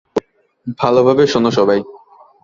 ভালভাবে শোন, সবাই।